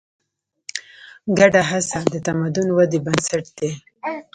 ګډه هڅه د تمدن ودې بنسټ دی.